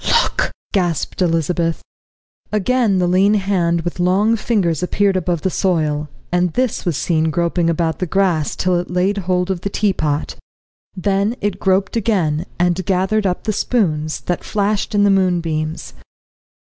"Look!" gasped Elizabeth. Again the lean hand with long fingers appeared above the soil, and this was seen groping about the grass till it laid hold of the teapot. Then it groped again, and gathered up the spoons, that flashed in the moonbeams.